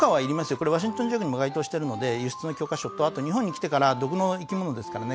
これワシントン条約にも該当してるので輸出の許可証とあと日本に来てから毒の生き物ですからね